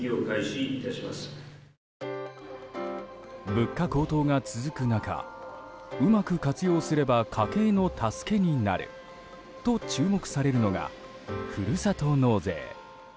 物価高騰が続く中うまく活用すれば家計の助けになると注目されるのが、ふるさと納税。